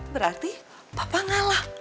berarti papa ngalah